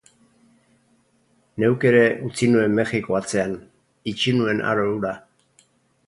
Neuk ere utzi nuen Mexiko atzean, itxi nuen aro hura.